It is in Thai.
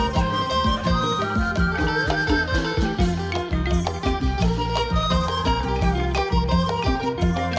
สวัสดีครับ